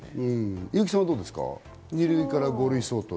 優木さんは、どうですか？